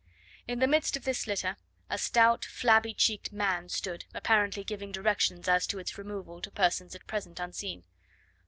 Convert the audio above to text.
In the midst of this litter a stout, flabby cheeked man stood, apparently giving directions as to its removal to persons at present unseen.